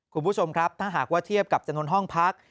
คุณผู้ชมครับถ้าหากว่าเทียบกับจำนวนห้องพัก